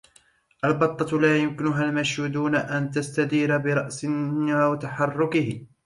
البطة لايمكنها المشي دون أن تستدير برأسها وتحركه.